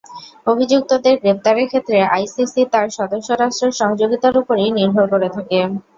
অভিযুক্তদের গ্রেপ্তারের ক্ষেত্রে আইসিসি তার সদস্যরাষ্ট্রের সহযোগিতার ওপরই নির্ভর করে থাকে।